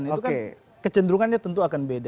itu kan kecenderungannya tentu akan beda